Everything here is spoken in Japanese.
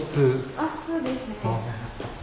あっそうですね。